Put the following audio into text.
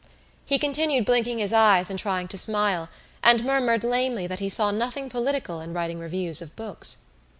He continued blinking his eyes and trying to smile and murmured lamely that he saw nothing political in writing reviews of books.